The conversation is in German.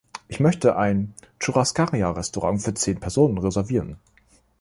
Ich möchte ein Churrascaria Restaurant für zehn Personen reservieren.